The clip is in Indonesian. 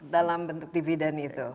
dalam bentuk dividen itu